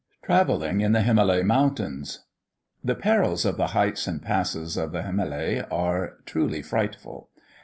TRAVELLING IN THE HIMALEH MOUNTAINS. The perils of the heights and passes of the Himâleh are truly frightful.